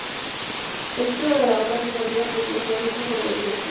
El título de la obra bien habría podido ser "El triunfo de la Iglesia".